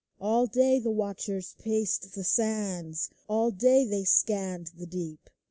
All day the watchers paced the sands, All day they scanned the deep.